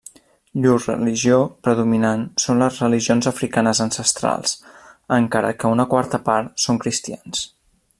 Llur religió predominant són les religions africanes ancestrals, encara que una quarta part són cristians.